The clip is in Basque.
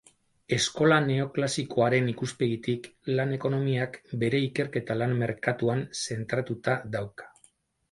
Eskola neoklasikoaren ikuspegitik, lan-ekonomiak bere ikerketa lan-merkatuan zentratuta dauka.